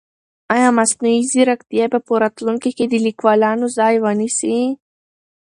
آیا مصنوعي ځیرکتیا به په راتلونکي کې د لیکوالانو ځای ونیسي؟